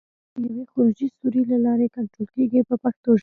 اوبه د یوې خروجي سوري له لارې کنټرول کېږي په پښتو ژبه.